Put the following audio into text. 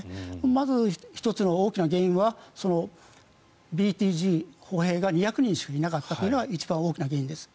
まず、１つの大きな原因はＢＴＧ、歩兵が２００人しかいなかったというのが一番大きな原因です。